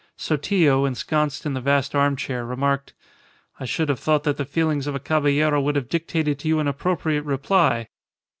Sotillo, ensconced in the vast armchair, remarked, "I should have thought that the feelings of a caballero would have dictated to you an appropriate reply."